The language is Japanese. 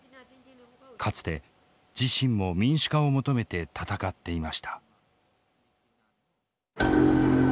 かつて自身も民主化を求めて闘っていました。